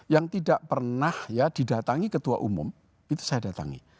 yang tidak pernah ya didatangi ketua umum itu saya datangi